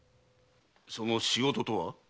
その仕事とは？